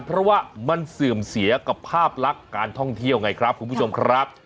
เพราะว่ามันเสื่อมเสียกับภาพลักษณ์การท่องเที่ยวไงครับคุณผู้ชมครับ